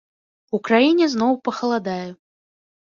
У краіне зноў пахаладае.